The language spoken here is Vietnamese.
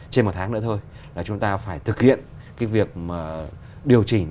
trên một tháng nữa thôi là chúng ta phải thực hiện cái việc điều chỉnh